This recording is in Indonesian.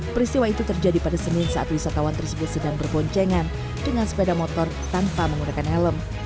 peristiwa itu terjadi pada senin saat wisatawan tersebut sedang berboncengan dengan sepeda motor tanpa menggunakan helm